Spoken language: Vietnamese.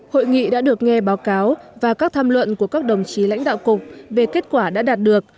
hội nghị đã được nghe báo cáo và các tham luận của các đồng chí lãnh đạo cục về kết quả đã đạt được